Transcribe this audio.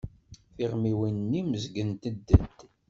Tiɣmiwin-nni mmezgent-d.